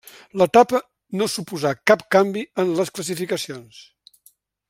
L'etapa no suposà cap canvi en les classificacions.